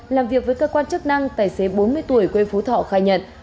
làm việc với cơ quan chức năng tài xế bốn mươi tuổi quê phú thọ khai nhận